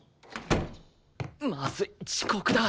まずい遅刻だ。